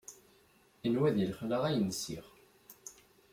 Inwa di lexla ay nsiɣ.